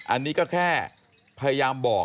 อันนี้ก็แค่พยายามบอก